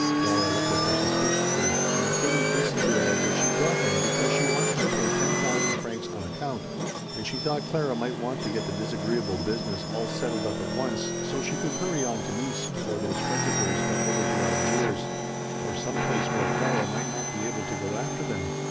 Clara looked at her suspiciously and Katie hastened to add that she brought him because she wanted to pay ten thousand francs on account and she thought Clara might want to get the disagreeable business all settled up at once so she could hurry on to Nice before those friends of hers got over to Algiers, or some place where Clara might not be able to go after them.